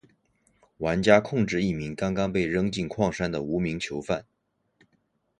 玩家控制一名刚刚被扔进矿山的无名囚犯。